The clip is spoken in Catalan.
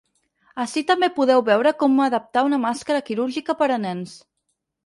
Ací també podeu veure com adaptar una màscara quirúrgica per a nens.